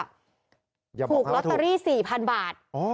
ถูกลอตเตอรี่๔๐๐๐บาท